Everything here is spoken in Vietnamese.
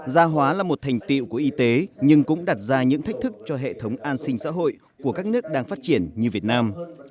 gia hóa là một thành tiệu của y tế nhưng cũng đặt ra những thách thức cho hệ thống an sinh xã hội của các nước đang phát triển như việt nam